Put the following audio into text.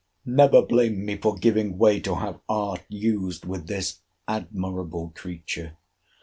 Never blame me for giving way to have art used with this admirable creature.